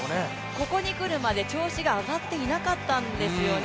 ここにくるまで調子が上がっていなかったんですよね。